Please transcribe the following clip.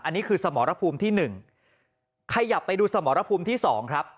อันนี้คือสมรภูมิที่๑ขยับไปดูสมรภูมิที่๒ครับ